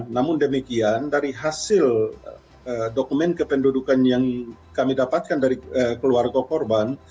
namun demikian dari hasil dokumen kependudukan yang kami dapatkan dari keluarga korban